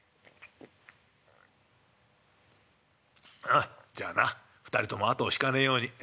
「ああじゃあな２人ともあとを引かねえように。